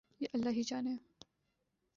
یہ اللہ ہی جانے۔